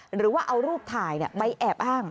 หรือว่าเอารูปถ่ายไปแอบอ้าง